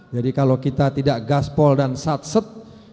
jadi kalau kita tidak gaspol dan sat set